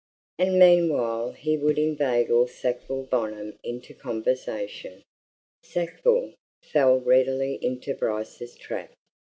And meanwhile he would inveigle Sackville Bonham into conversation. Sackville fell readily into Bryce's trap.